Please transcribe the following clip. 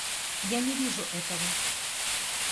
Я не вижу этого.